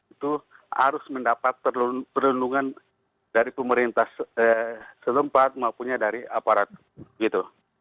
itu harus mendapat perlindungan dari pemerintah setempat maupunnya dari aparat gitu